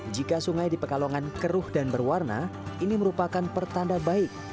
jika sungai di pekalongan keruh dan berwarna ini merupakan pertanda baik